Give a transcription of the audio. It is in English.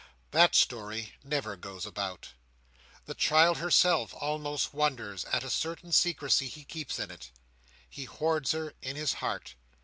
That story never goes about. The child herself almost wonders at a certain secrecy he keeps in it. He hoards her in his heart.